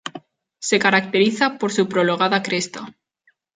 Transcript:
Se caracteriza por su prologada cresta.